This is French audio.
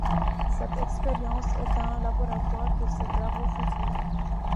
Cette expérience est un laboratoire pour ses travaux futurs.